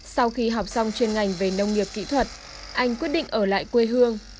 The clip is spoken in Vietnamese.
sau khi học xong chuyên ngành về nông nghiệp kỹ thuật anh quyết định ở lại quê hương